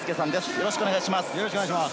よろしくお願いします。